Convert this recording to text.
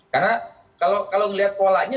karena kalau melihat polanya